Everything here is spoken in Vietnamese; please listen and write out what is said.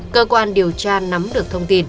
cơ quan điều tra nắm được thông tin